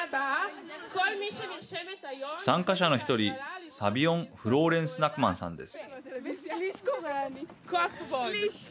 参加者の１人サビオン・フローレンスナクマンさんです。